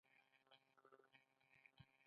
یو لیوه له یوه سپي سره خبرې کولې.